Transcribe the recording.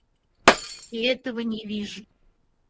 Я этого не вижу.